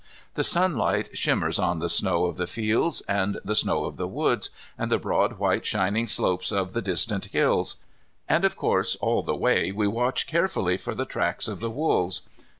The sunlight shimmers on the snow of the fields and the snow of the woods, and the broad white shining slopes of the distant hills. And, of course, all the way we watch carefully for the tracks of the wolves.